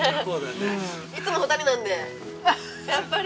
いつも２人なのでやっぱり。